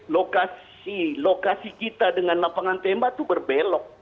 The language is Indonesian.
lokasi lokasi kita dengan lapangan tembak itu berbelok